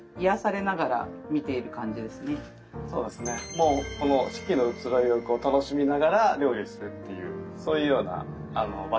もうこの四季の移ろいを楽しみながら料理をするっていうそういうような場所になってます。